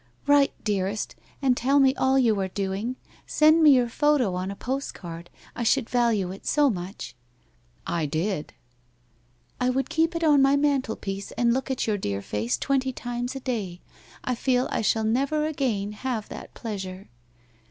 * Write, dearest, and tell me all you are doing. Send me your photo on a postcard, I should value it so much/ 40 WHITE ROSE OF WEARY LEAF 41 * I did.' ' 7 would heep it on my mantelpiece and lool' on your dear face twenty times a day. I feel I shall never again have that pleasure.'